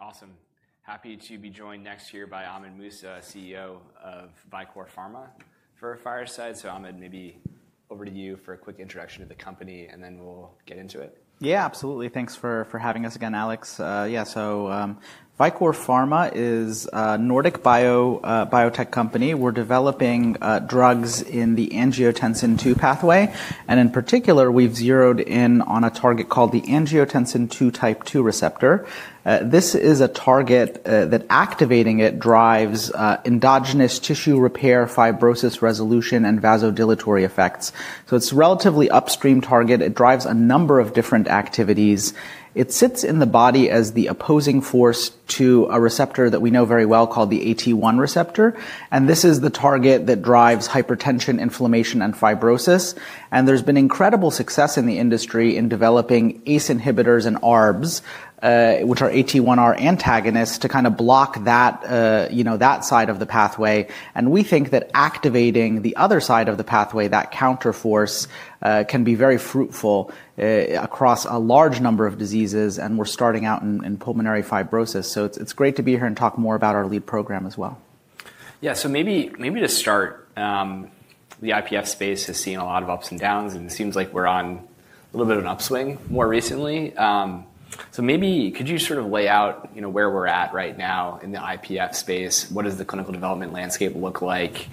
Awesome. Happy to be joined next here by Ahmed Mousa, CEO of Vicore Pharma for fireside. So Ahmed, maybe over to you for a quick introduction to the company, and then we'll get into it. Yeah, absolutely. Thanks for having us again, Alex. Yeah, so Vicore Pharma is a Nordic biotech company. We're developing drugs in the angiotensin II pathway. In particular, we've zeroed in on a target called the angiotensin II type 2 receptor. This is a target that activating it drives endogenous tissue repair, fibrosis resolution, and vasodilatory effects. It's a relatively upstream target. It drives a number of different activities. It sits in the body as the opposing force to a receptor that we know very well called the AT1 receptor. This is the target that drives hypertension, inflammation, and fibrosis. There's been incredible success in the industry in developing ACE inhibitors and ARBs, which are AT1 receptor antagonists, to kind of block that side of the pathway. We think that activating the other side of the pathway, that counterforce, can be very fruitful across a large number of diseases. We're starting out in pulmonary fibrosis. It is great to be here and talk more about our lead program as well. Yeah, so maybe to start, the IPF space has seen a lot of ups and downs. It seems like we're on a little bit of an upswing more recently. Maybe could you sort of lay out where we're at right now in the IPF space? What does the clinical development landscape look like?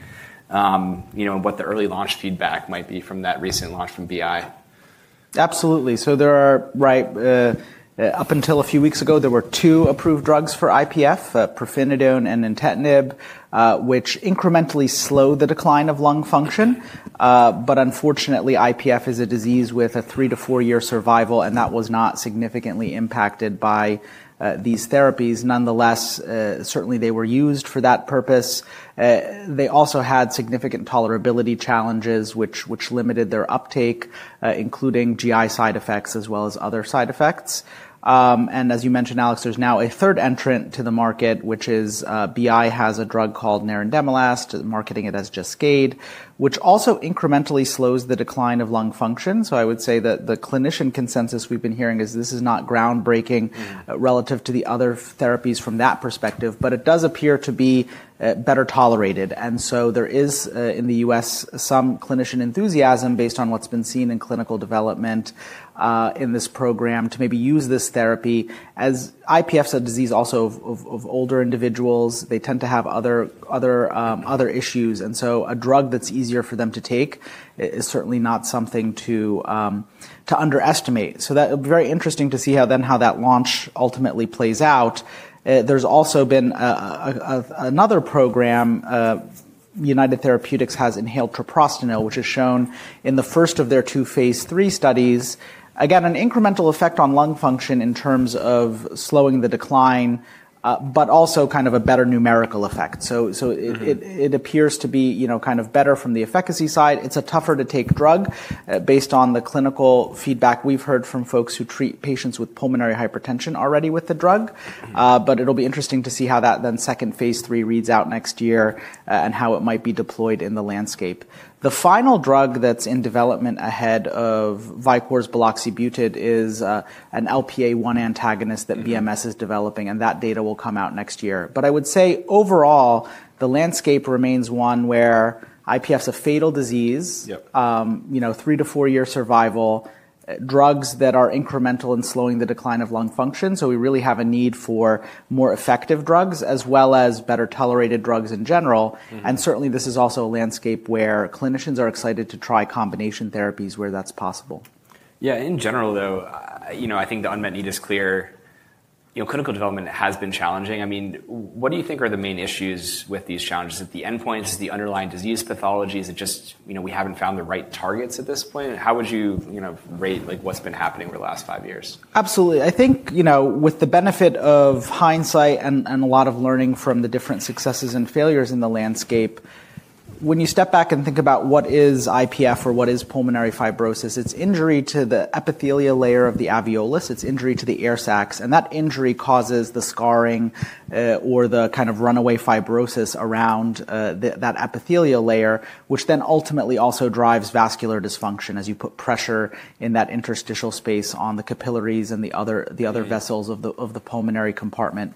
What the early launch feedback might be from that recent launch from BI? Absolutely. There are, right up until a few weeks ago, two approved drugs for IPF, pirfenidone and nintedanib, which incrementally slowed the decline of lung function. Unfortunately, IPF is a disease with a three to four-year survival, and that was not significantly impacted by these therapies. Nonetheless, certainly they were used for that purpose. They also had significant tolerability challenges, which limited their uptake, including GI side effects as well as other side effects. As you mentioned, Alex, there is now a third entrant to the market, which is BI has a drug called nerandomilast, marketing it as JASCAYD, which also incrementally slows the decline of lung function. I would say that the clinician consensus we've been hearing is this is not groundbreaking relative to the other therapies from that perspective. It does appear to be better tolerated. There is in the U.S. some clinician enthusiasm based on what's been seen in clinical development in this program to maybe use this therapy. As IPF is a disease also of older individuals, they tend to have other issues. A drug that's easier for them to take is certainly not something to underestimate. That would be very interesting to see then how that launch ultimately plays out. There has also been another program. United Therapeutics has inhaled treprostinil, which has shown in the first of their two phase III studies, again, an incremental effect on lung function in terms of slowing the decline, but also kind of a better numerical effect. It appears to be kind of better from the efficacy side. It's a tougher to take drug based on the clinical feedback we've heard from folks who treat patients with pulmonary hypertension already with the drug. It'll be interesting to see how that then second phase III reads out next year and how it might be deployed in the landscape. The final drug that's in development ahead of Vicore's buloxibutid is an LPA1 antagonist that BMS is developing. That data will come out next year. I would say overall, the landscape remains one where IPF is a fatal disease, three to four-year survival, drugs that are incremental in slowing the decline of lung function. We really have a need for more effective drugs as well as better tolerated drugs in general. Certainly, this is also a landscape where clinicians are excited to try combination therapies where that's possible. Yeah, in general, though, I think the unmet need is clear. Clinical development has been challenging. I mean, what do you think are the main issues with these challenges? Is it the endpoints? Is it the underlying disease pathology? Is it just we haven't found the right targets at this point? How would you rate what's been happening over the last five years? Absolutely. I think with the benefit of hindsight and a lot of learning from the different successes and failures in the landscape, when you step back and think about what is IPF or what is pulmonary fibrosis, it's injury to the epithelial layer of the alveolus. It's injury to the air sacs. That injury causes the scarring or the kind of runaway fibrosis around that epithelial layer, which then ultimately also drives vascular dysfunction as you put pressure in that interstitial space on the capillaries and the other vessels of the pulmonary compartment.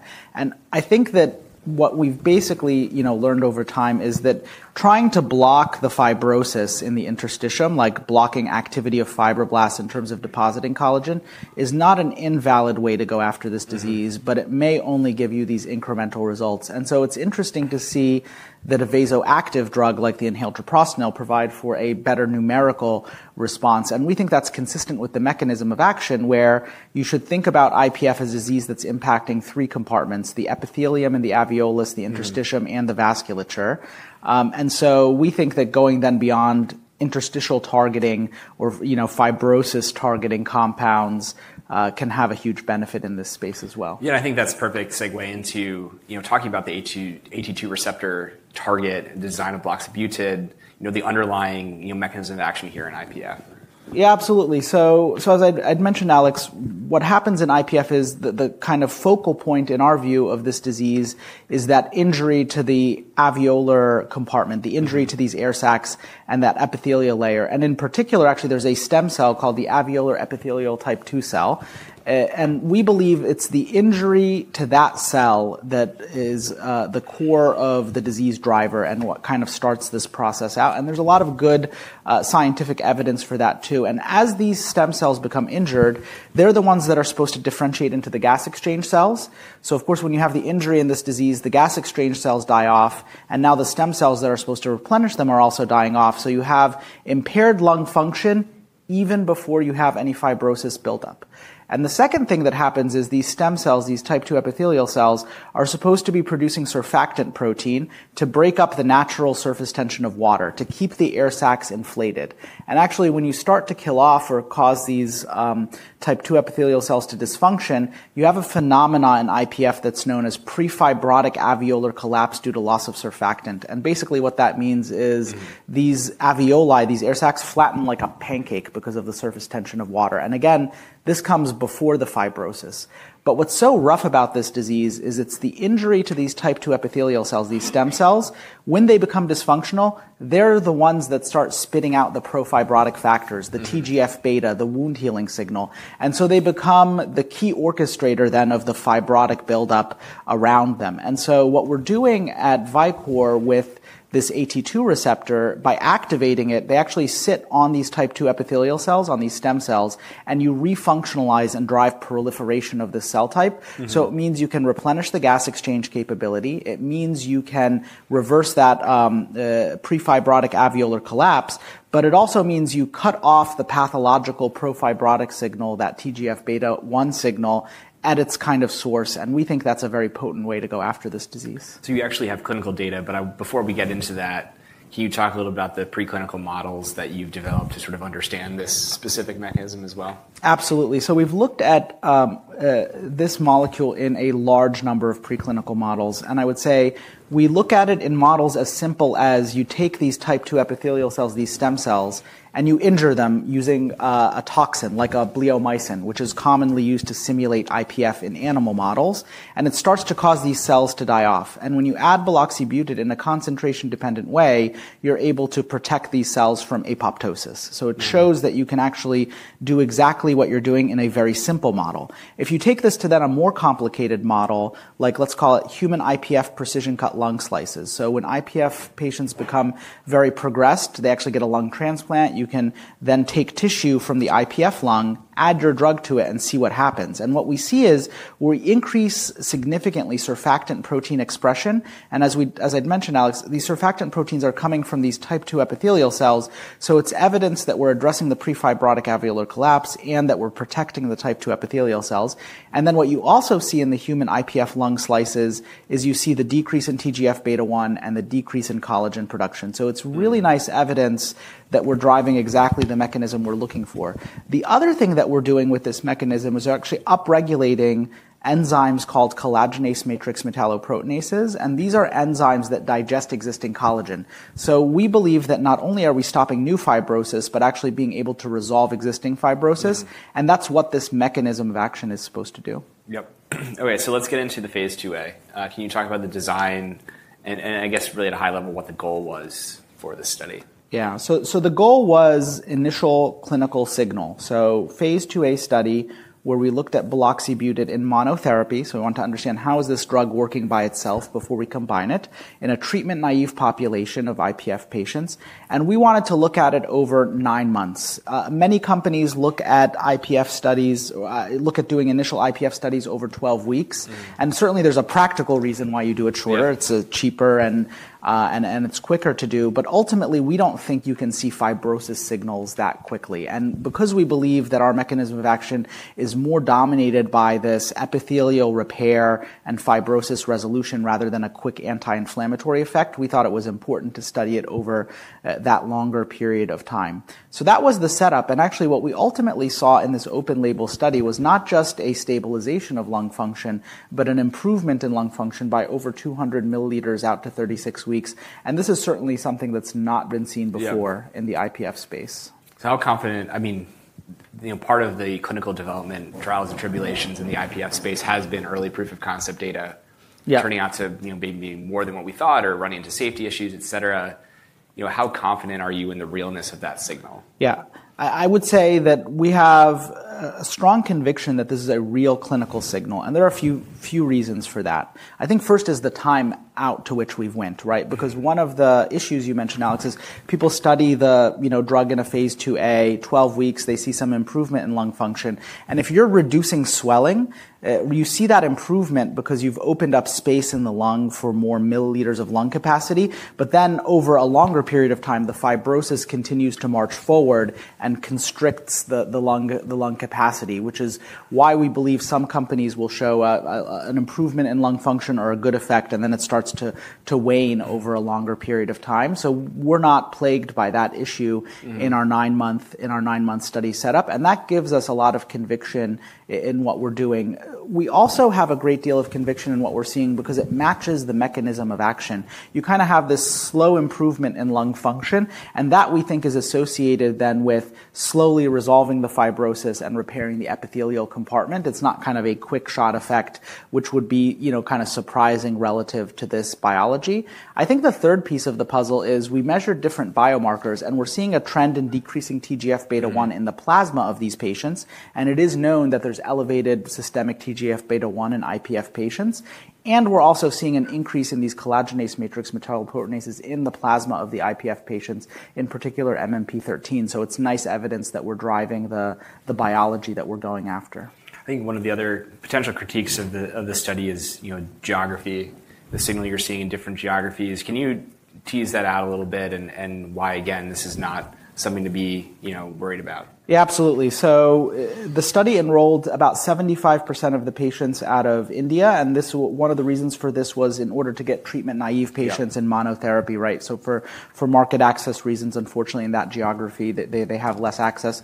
I think that what we've basically learned over time is that trying to block the fibrosis in the interstitium, like blocking activity of fibroblasts in terms of depositing collagen, is not an invalid way to go after this disease. It may only give you these incremental results. It's interesting to see that a vasoactive drug like the inhaled treprostinil provides for a better numerical response. We think that's consistent with the mechanism of action where you should think about IPF as a disease that's impacting three compartments: the epithelium and the alveolus, the interstitium, and the vasculature. We think that going then beyond interstitial targeting or fibrosis targeting compounds can have a huge benefit in this space as well. Yeah, I think that's a perfect segue into talking about the AT2 receptor target, the design of buloxibutid, the underlying mechanism of action here in IPF. Yeah, absolutely. As I'd mentioned, Alex, what happens in IPF is the kind of focal point in our view of this disease is that injury to the alveolar compartment, the injury to these air sacs, and that epithelial layer. In particular, actually, there's a stem cell called the alveolar epithelial type 2 cell. We believe it's the injury to that cell that is the core of the disease driver and what kind of starts this process out. There's a lot of good scientific evidence for that too. As these stem cells become injured, they're the ones that are supposed to differentiate into the gas exchange cells. Of course, when you have the injury in this disease, the gas exchange cells die off. Now the stem cells that are supposed to replenish them are also dying off. You have impaired lung function even before you have any fibrosis buildup. The second thing that happens is these stem cells, these type 2 epithelial cells, are supposed to be producing surfactant protein to break up the natural surface tension of water to keep the air sacs inflated. Actually, when you start to kill off or cause these type 2 epithelial cells to dysfunction, you have a phenomenon in IPF that's known as prefibrotic alveolar collapse due to loss of surfactant. Basically, what that means is these alveoli, these air sacs, flatten like a pancake because of the surface tension of water. Again, this comes before the fibrosis. What's so rough about this disease is it's the injury to these type 2 epithelial cells, these stem cells. When they become dysfunctional, they're the ones that start spitting out the profibrotic factors, the TGFβ, the wound healing signal. They become the key orchestrator then of the fibrotic buildup around them. What we're doing at Vicore with this AT2 receptor, by activating it, they actually sit on these type 2 epithelial cells, on these stem cells. You refunctionalize and drive proliferation of the cell type. It means you can replenish the gas exchange capability. It means you can reverse that prefibrotic alveolar collapse. It also means you cut off the pathological profibrotic signal, that TGFβ1 signal at its kind of source. We think that's a very potent way to go after this disease. You actually have clinical data. Before we get into that, can you talk a little about the preclinical models that you've developed to sort of understand this specific mechanism as well? Absolutely. We've looked at this molecule in a large number of preclinical models. I would say we look at it in models as simple as you take these type II epithelial cells, these stem cells, and you injure them using a toxin like bleomycin, which is commonly used to simulate IPF in animal models. It starts to cause these cells to die off. When you add buloxibutid in a concentration-dependent way, you're able to protect these cells from apoptosis. It shows that you can actually do exactly what you're doing in a very simple model. If you take this to a more complicated model, like let's call it human IPF precision cut lung slices. When IPF patients become very progressed, they actually get a lung transplant. You can then take tissue from the IPF lung, add your drug to it, and see what happens. What we see is we increase significantly surfactant protein expression. As I mentioned, Alex, these surfactant proteins are coming from these type II epithelial cells. It is evidence that we are addressing the prefibrotic alveolar collapse and that we are protecting the type II epithelial cells. What you also see in the human IPF lung slices is you see the decrease in TGFβ1 and the decrease in collagen production. It is really nice evidence that we are driving exactly the mechanism we are looking for. The other thing that we are doing with this mechanism is actually upregulating enzymes called collagenase matrix metalloproteinases. These are enzymes that digest existing collagen. We believe that not only are we stopping new fibrosis, but actually being able to resolve existing fibrosis. That is what this mechanism of action is supposed to do. Yep. OK, so let's get into the phase II-A. Can you talk about the design and I guess really at a high level what the goal was for this study? Yeah, so the goal was initial clinical signal. So phase II-A study where we looked at buloxibutid in monotherapy. So we want to understand how is this drug working by itself before we combine it in a treatment naive population of IPF patients. And we wanted to look at it over nine months. Many companies look at IPF studies, look at doing initial IPF studies over 12 weeks. And certainly, there's a practical reason why you do it shorter. It's cheaper and it's quicker to do. But ultimately, we don't think you can see fibrosis signals that quickly. And because we believe that our mechanism of action is more dominated by this epithelial repair and fibrosis resolution rather than a quick anti-inflammatory effect, we thought it was important to study it over that longer period of time. So that was the setup. Actually, what we ultimately saw in this open label study was not just a stabilization of lung function, but an improvement in lung function by over 200 ml out to 36 weeks. This is certainly something that's not been seen before in the IPF space. How confident, I mean, part of the clinical development trials and tribulations in the IPF space has been early proof of concept data turning out to be more than what we thought or running into safety issues, et cetera. How confident are you in the realness of that signal? Yeah, I would say that we have a strong conviction that this is a real clinical signal. And there are a few reasons for that. I think first is the time out to which we've went, right? Because one of the issues you mentioned, Alex, is people study the drug in a phase II-A, 12 weeks, they see some improvement in lung function. And if you're reducing swelling, you see that improvement because you've opened up space in the lung for more milliliters of lung capacity. But then over a longer period of time, the fibrosis continues to march forward and constricts the lung capacity, which is why we believe some companies will show an improvement in lung function or a good effect. And then it starts to wane over a longer period of time. So we're not plagued by that issue in our nine-month study setup. That gives us a lot of conviction in what we're doing. We also have a great deal of conviction in what we're seeing because it matches the mechanism of action. You kind of have this slow improvement in lung function. That we think is associated then with slowly resolving the fibrosis and repairing the epithelial compartment. It's not kind of a quick shot effect, which would be kind of surprising relative to this biology. I think the third piece of the puzzle is we measured different biomarkers. We're seeing a trend in decreasing TGFβ1 in the plasma of these patients. It is known that there's elevated systemic TGFβ1 in IPF patients. We're also seeing an increase in these collagenase matrix metalloproteinases in the plasma of the IPF patients, in particular MMP-13. It's nice evidence that we're driving the biology that we're going after. I think one of the other potential critiques of the study is geography, the signal you're seeing in different geographies. Can you tease that out a little bit and why, again, this is not something to be worried about? Yeah, absolutely. The study enrolled about 75% of the patients out of India. One of the reasons for this was in order to get treatment naive patients in monotherapy, right? For market access reasons, unfortunately, in that geography, they have less access.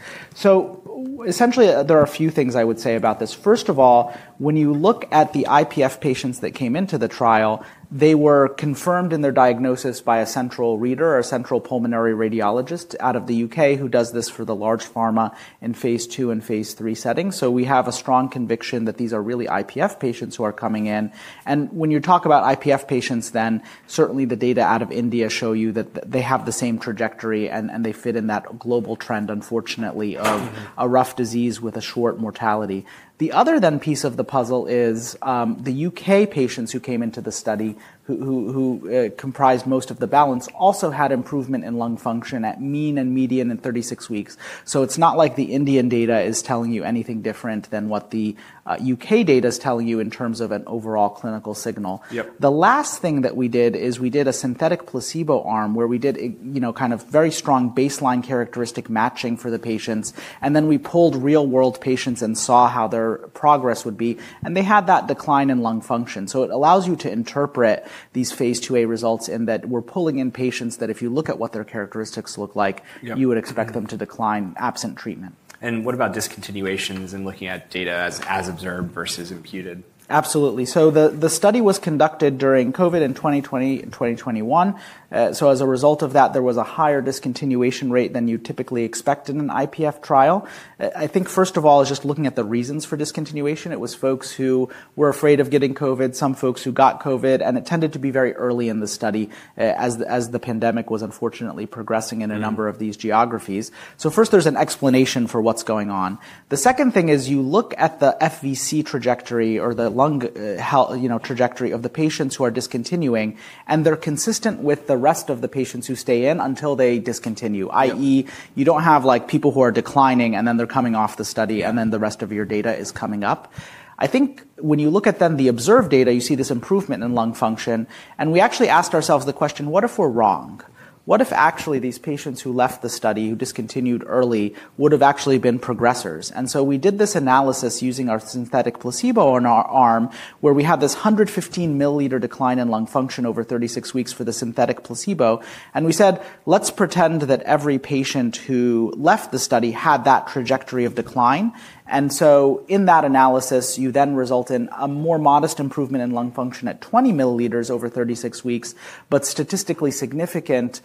Essentially, there are a few things I would say about this. First of all, when you look at the IPF patients that came into the trial, they were confirmed in their diagnosis by a central reader or a central pulmonary radiologist out of the U.K. who does this for the large pharma in phase II and phase III settings. We have a strong conviction that these are really IPF patients who are coming in. When you talk about IPF patients, then certainly the data out of India show you that they have the same trajectory. They fit in that global trend, unfortunately, of a rough disease with a short mortality. The other piece of the puzzle is the U.K. patients who came into the study, who comprised most of the balance, also had improvement in lung function at mean and median in 36 weeks. It is not like the Indian data is telling you anything different than what the U.K. data is telling you in terms of an overall clinical signal. The last thing that we did is we did a synthetic placebo arm where we did kind of very strong baseline characteristic matching for the patients. Then we pulled real-world patients and saw how their progress would be. They had that decline in lung function. It allows you to interpret these phase II-A results in that we're pulling in patients that if you look at what their characteristics look like, you would expect them to decline absent treatment. What about discontinuations and looking at data as observed versus imputed? Absolutely. The study was conducted during COVID in 2020 and 2021. As a result of that, there was a higher discontinuation rate than you typically expect in an IPF trial. I think first of all, just looking at the reasons for discontinuation, it was folks who were afraid of getting COVID, some folks who got COVID. It tended to be very early in the study as the pandemic was unfortunately progressing in a number of these geographies. First, there's an explanation for what's going on. The second thing is you look at the FVC trajectory or the lung trajectory of the patients who are discontinuing. They're consistent with the rest of the patients who stay in until they discontinue, i.e., you don't have people who are declining and then they're coming off the study and then the rest of your data is coming up. I think when you look at then the observed data, you see this improvement in lung function. We actually asked ourselves the question, what if we're wrong? What if actually these patients who left the study, who discontinued early, would have actually been progressors? We did this analysis using our synthetic placebo on our arm where we had this 115 ml decline in lung function over 36 weeks for the synthetic placebo. We said, let's pretend that every patient who left the study had that trajectory of decline. In that analysis, you then result in a more modest improvement in lung function at 20 ml over 36 weeks, but statistically significant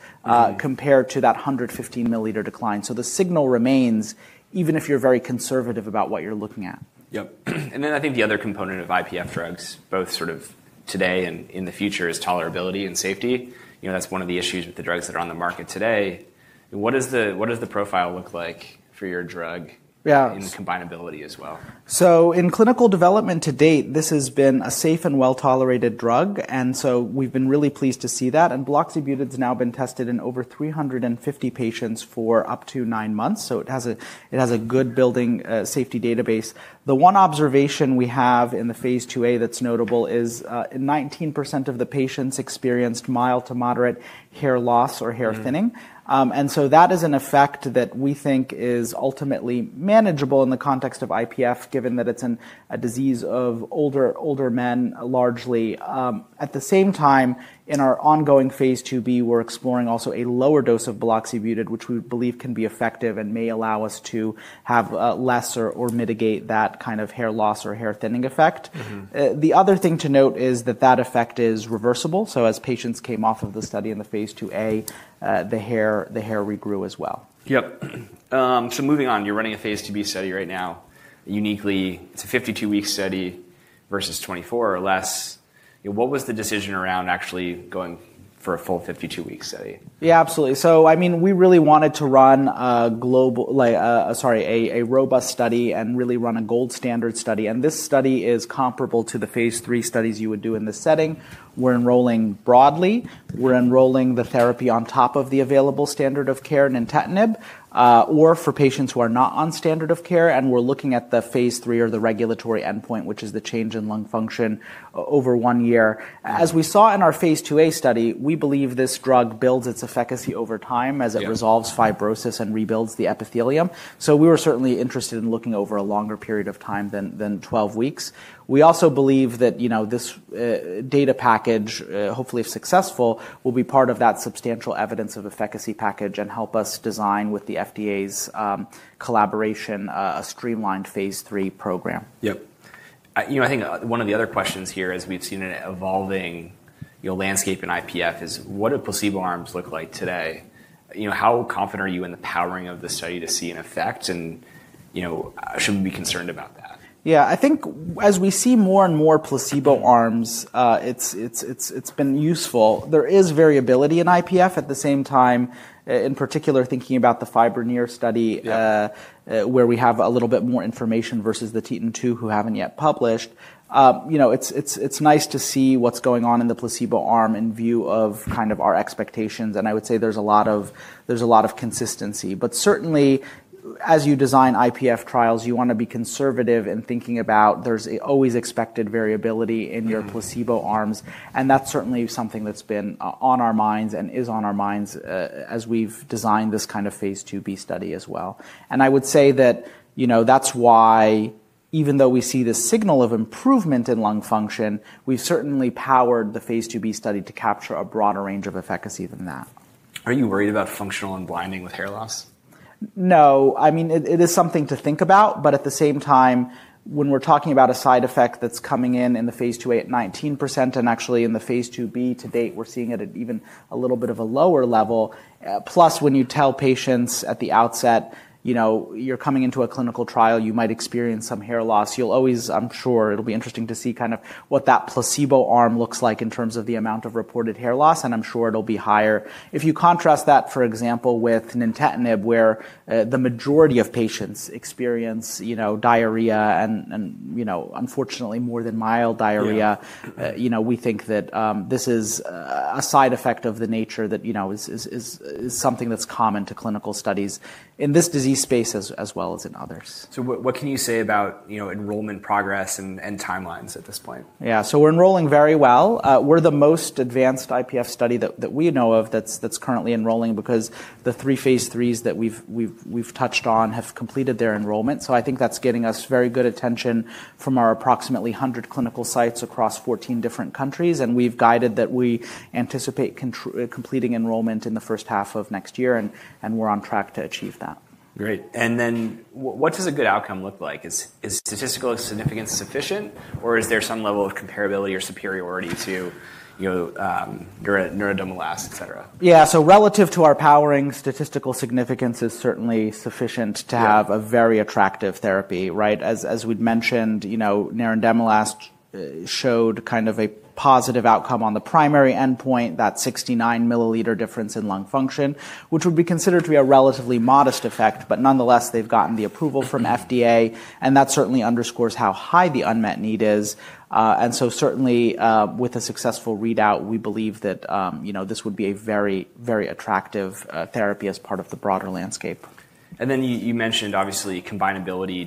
compared to that 115 ml decline. The signal remains even if you're very conservative about what you're looking at. Yep. I think the other component of IPF drugs, both sort of today and in the future, is tolerability and safety. That's one of the issues with the drugs that are on the market today. What does the profile look like for your drug in the combinability as well? In clinical development to date, this has been a safe and well-tolerated drug. We have been really pleased to see that. Buloxibutid has now been tested in over 350 patients for up to nine months. It has a good building safety database. The one observation we have in the phase II-A that is notable is 19% of the patients experienced mild to moderate hair loss or hair thinning. That is an effect that we think is ultimately manageable in the context of IPF, given that it is a disease of older men largely. At the same time, in our ongoing phase II-B, we are exploring also a lower dose of buloxibutid, which we believe can be effective and may allow us to have less or mitigate that kind of hair loss or hair thinning effect. The other thing to note is that that effect is reversible. As patients came off of the study in the phase II-A, the hair regrew as well. Yep. Moving on, you're running a phase II-B study right now. Uniquely, it's a 52-week study versus 24 or less. What was the decision around actually going for a full 52-week study? Yeah, absolutely. I mean, we really wanted to run a robust study and really run a gold standard study. This study is comparable to the phase III studies you would do in this setting. We're enrolling broadly. We're enrolling the therapy on top of the available standard of care nintedanib or for patients who are not on standard of care. We're looking at the phase III or the regulatory endpoint, which is the change in lung function over one year. As we saw in our phase II-A study, we believe this drug builds its efficacy over time as it resolves fibrosis and rebuilds the epithelium. We were certainly interested in looking over a longer period of time than 12 weeks. We also believe that this data package, hopefully successful, will be part of that substantial evidence of efficacy package and help us design with the FDA's collaboration a streamlined phase III program. Yep. I think one of the other questions here, as we've seen an evolving landscape in IPF, is what do placebo arms look like today? How confident are you in the powering of the study to see an effect? Should we be concerned about that? Yeah, I think as we see more and more placebo arms, it's been useful. There is variability in IPF. At the same time, in particular, thinking about the FIBRONEER study where we have a little bit more information versus the TETON-2 who haven't yet published, it's nice to see what's going on in the placebo arm in view of kind of our expectations. I would say there's a lot of consistency. Certainly, as you design IPF trials, you want to be conservative in thinking about there's always expected variability in your placebo arms. That's certainly something that's been on our minds and is on our minds as we've designed this kind of phase II-B study as well. I would say that that's why, even though we see this signal of improvement in lung function, we've certainly powered the phase II-B study to capture a broader range of efficacy than that. Are you worried about functional unblinding with hair loss? No. I mean, it is something to think about. At the same time, when we're talking about a side effect that's coming in in the phase II-A at 19% and actually in the phase II-B to date, we're seeing it at even a little bit of a lower level. Plus, when you tell patients at the outset, you're coming into a clinical trial, you might experience some hair loss. I'm sure it'll be interesting to see kind of what that placebo arm looks like in terms of the amount of reported hair loss. I'm sure it'll be higher. If you contrast that, for example, with nintedanib, where the majority of patients experience diarrhea and unfortunately more than mild diarrhea, we think that this is a side effect of the nature that is something that's common to clinical studies in this disease space as well as in others. What can you say about enrollment progress and timelines at this point? Yeah, so we're enrolling very well. We're the most advanced IPF study that we know of that's currently enrolling because the three phase IIIs that we've touched on have completed their enrollment. I think that's getting us very good attention from our approximately 100 clinical sites across 14 different countries. We've guided that we anticipate completing enrollment in the first half of next year. We're on track to achieve that. Great. And then what does a good outcome look like? Is statistical significance sufficient? Or is there some level of comparability or superiority to nerandomilast, et cetera? Yeah, so relative to our powering, statistical significance is certainly sufficient to have a very attractive therapy, right? As we'd mentioned, nerandomilast showed kind of a positive outcome on the primary endpoint, that 69 ml difference in lung function, which would be considered to be a relatively modest effect. Nonetheless, they've gotten the approval from FDA. That certainly underscores how high the unmet need is. Certainly, with a successful readout, we believe that this would be a very, very attractive therapy as part of the broader landscape. You mentioned, obviously, combinability,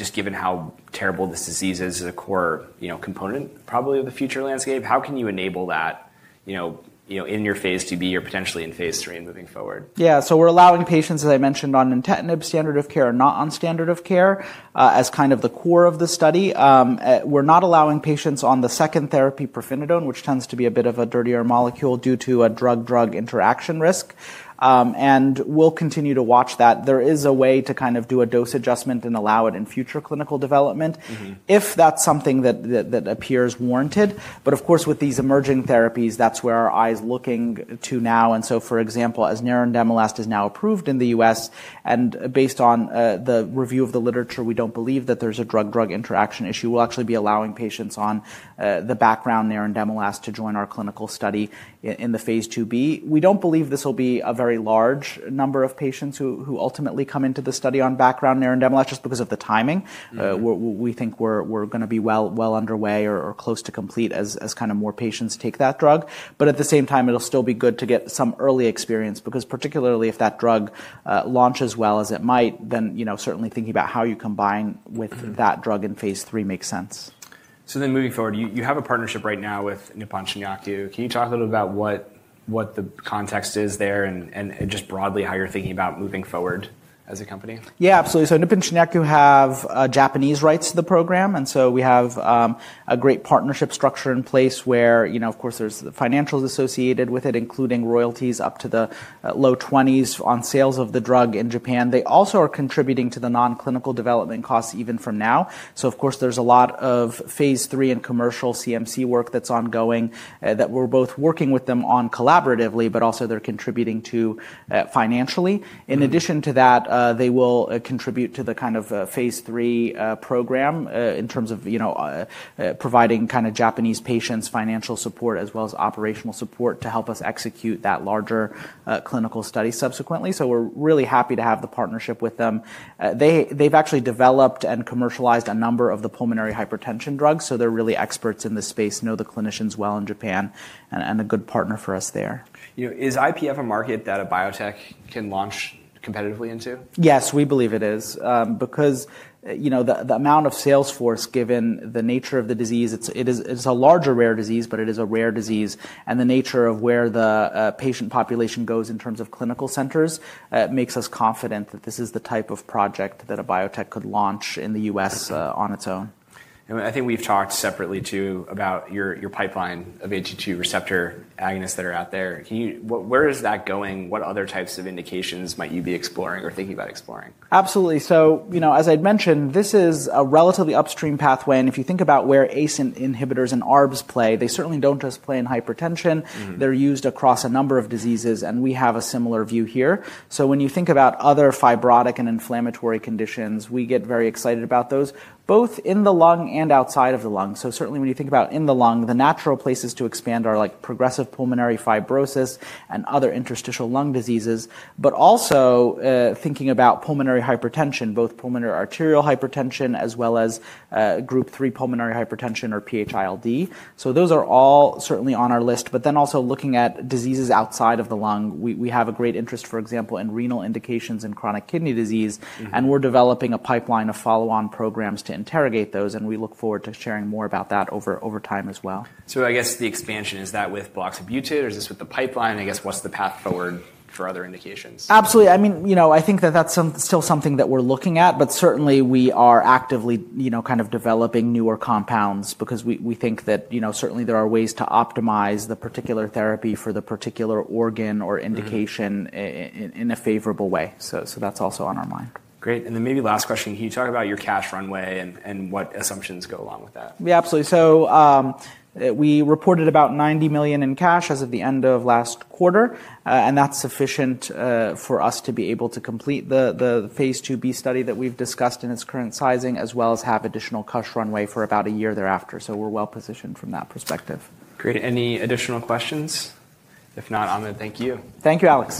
just given how terrible this disease is, is a core component probably of the future landscape. How can you enable that in your phase II-B or potentially in phase III and moving forward? Yeah, so we're allowing patients, as I mentioned, on nintedanib, standard of care and not on standard of care as kind of the core of the study. We're not allowing patients on the second therapy, pirfenidone, which tends to be a bit of a dirtier molecule due to a drug-drug interaction risk. We'll continue to watch that. There is a way to kind of do a dose adjustment and allow it in future clinical development if that's something that appears warranted. Of course, with these emerging therapies, that's where our eye is looking to now. For example, as nerandomilast is now approved in the U.S. and based on the review of the literature, we don't believe that there's a drug-drug interaction issue. We'll actually be allowing patients on the background nerandomilast to join our clinical study in the phase II-B. We don't believe this will be a very large number of patients who ultimately come into the study on background nerandomilast just because of the timing. We think we're going to be well underway or close to complete as kind of more patients take that drug. At the same time, it'll still be good to get some early experience because particularly if that drug launches well as it might, then certainly thinking about how you combine with that drug in phase III makes sense. Then moving forward, you have a partnership right now with Nippon Shinyaku. Can you talk a little bit about what the context is there and just broadly how you're thinking about moving forward as a company? Yeah, absolutely. Nippon Shinyaku have Japanese rights to the program. We have a great partnership structure in place where, of course, there are the financials associated with it, including royalties up to the low 20s % on sales of the drug in Japan. They also are contributing to the non-clinical development costs even from now. Of course, there is a lot of phase III and commercial CMC work that is ongoing that we are both working with them on collaboratively, but also they are contributing to financially. In addition to that, they will contribute to the kind of phase III program in terms of providing kind of Japanese patients financial support as well as operational support to help us execute that larger clinical study subsequently. We are really happy to have the partnership with them. They have actually developed and commercialized a number of the pulmonary hypertension drugs. They're really experts in this space, know the clinicians well in Japan, and a good partner for us there. Is IPF a market that a biotech can launch competitively into? Yes, we believe it is. Because the amount of sales force, given the nature of the disease, it's a larger, rare disease, but it is a rare disease. The nature of where the patient population goes in terms of clinical centers makes us confident that this is the type of project that a biotech could launch in the U.S. on its own. I think we've talked separately too about your pipeline of AT2 receptor agonists that are out there. Where is that going? What other types of indications might you be exploring or thinking about exploring? Absolutely. As I'd mentioned, this is a relatively upstream pathway. If you think about where ACE inhibitors and ARBs play, they certainly don't just play in hypertension. They're used across a number of diseases. We have a similar view here. When you think about other fibrotic and inflammatory conditions, we get very excited about those, both in the lung and outside of the lung. Certainly, when you think about in the lung, the natural places to expand are progressive pulmonary fibrosis and other interstitial lung diseases, but also thinking about pulmonary hypertension, both pulmonary arterial hypertension as well as group 3 pulmonary hypertension or PH-ILD. Those are all certainly on our list. Also, looking at diseases outside of the lung, we have a great interest, for example, in renal indications and chronic kidney disease. We're developing a pipeline of follow-on programs to interrogate those. We look forward to sharing more about that over time as well. I guess the expansion, is that with buloxibutid or is this with the pipeline? I guess what's the path forward for other indications? Absolutely. I mean, I think that that's still something that we're looking at. Certainly, we are actively kind of developing newer compounds because we think that certainly there are ways to optimize the particular therapy for the particular organ or indication in a favorable way. That is also on our mind. Great. Maybe last question, can you talk about your cash runway and what assumptions go along with that? Yeah, absolutely. We reported about $90 million in cash as of the end of last quarter. That's sufficient for us to be able to complete the phase II-B study that we've discussed in its current sizing as well as have additional cash runway for about a year thereafter. We're well positioned from that perspective. Great. Any additional questions? If not, Ahmed, thank you. Thank you, Alex.